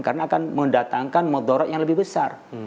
karena akan mendatangkan modorat yang lebih besar